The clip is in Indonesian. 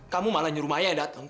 kamu malah nyuruh maya datang